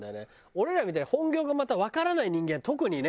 俺らみたいに本業がまたわからない人間は特にね。